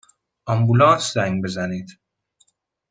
آمبولانس زنگ بزنید!